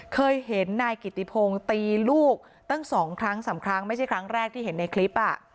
เคยเห็นนายกิติพงศ์ตีลูกตั้งสองครั้งสามครั้งไม่ใช่ครั้งแรกที่เห็นในคลิป